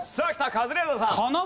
カズレーザーさん。